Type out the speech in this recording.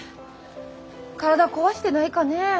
体壊してないかね？